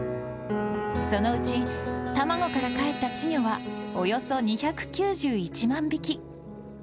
そのうち卵からかえった稚魚はおよそ２９１万匹。